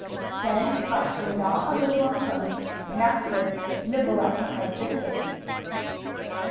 Then Splash would gnaw a little on the bone, and, afterward, nibble at the hard biscuit.